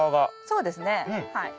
そうですねはい。